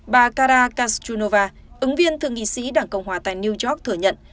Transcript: bà cara castrunova ứng viên thường nghị sĩ đảng cộng hòa tại new york thừa nhận